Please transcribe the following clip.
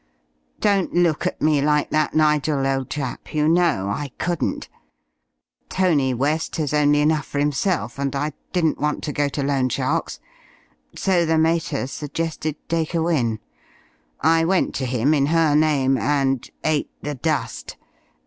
Don't look at me like that, Nigel, old chap, you know I couldn't! Tony West has only enough for himself, and I didn't want to go to loan sharks. So the mater suggested Dacre Wynne. I went to him, in her name, and ate the dust.